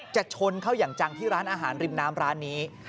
ชนเข้าอย่างจังที่ร้านอาหารริมน้ำร้านนี้